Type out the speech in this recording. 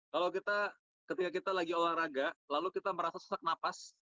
kalau kita ketika kita lagi olahraga lalu kita merasa sesak napas